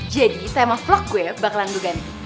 jadi tema vlog gue bakalan gue ganti